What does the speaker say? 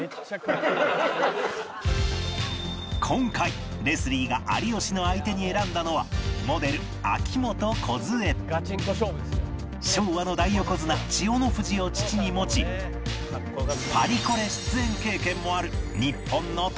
今回レスリーが有吉の相手に選んだのは昭和の大横綱千代の富士を父に持ちパリコレ出演経験もある日本のトップモデル！